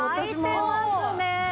はいてますね！